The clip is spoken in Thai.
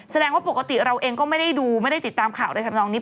แสดงว่าปกติเราเองก็ไม่ได้ดูไม่ได้ติดตามข่าวในธรรมนองนี้